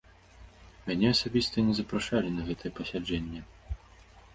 Мяне асабіста не запрашалі на гэтае пасяджэнне.